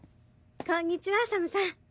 こんにちはサムさん。